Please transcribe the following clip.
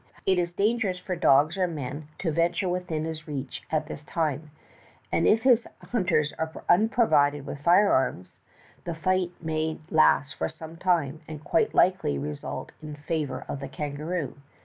It is dangerous for dogs or men to venture within his reach at this time, and if his hunters are unprovided with firearms, the fight may last for some time and quite likely^ result in favor of the kangaroo.